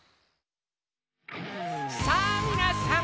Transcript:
さぁみなさん！